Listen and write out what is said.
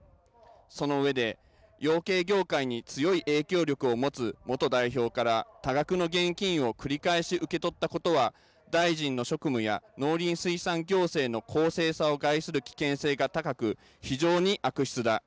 そのうえで養鶏業界に強い影響力を持つ元代表から多額の現金を繰り返し受け取ったことは大臣の職務や農林水産行政の公正さを害する危険性が高く非常に悪質だ。